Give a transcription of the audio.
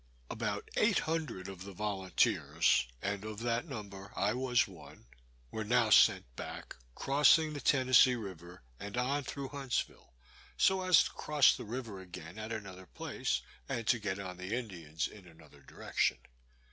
About eight hundred of the volunteers, and of that number I was one, were now sent back, crossing the Tennessee river, and on through Huntsville, so as to cross the river again at another place, and to get on the Indians in another direction.